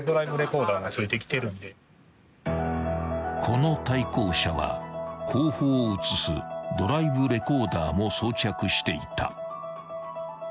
［この対向車は後方を写すドライブレコーダーも装着していた］